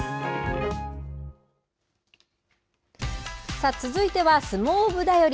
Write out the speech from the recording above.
さあ、続いては相撲部便り。